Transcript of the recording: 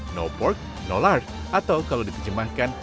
no pork no lard atau kalau dikejemahkan